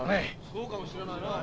そうかもしれないなあ。